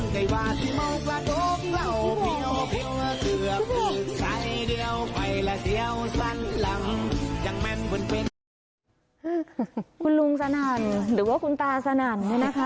คุณลุงสนั่นหรือว่าคุณตาสนั่นเนี่ยนะคะ